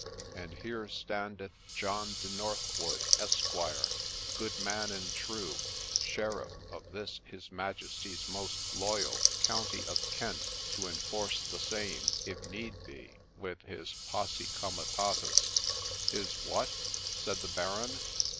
And here standeth John de Northwood, Esquire, good man and true, sheriff of this his Majesty's most loyal county of Kent, to enforce the same, if need be, with his posae comi tatus '' His what ?' said the Baron.